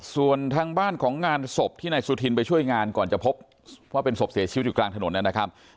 ส่วนทางบ้านของงานศพที่นายสุธินไปช่วยงานก่อนจะพบว่าเป็นศพเสียชีวิตอยู่กลางถนนนะครับ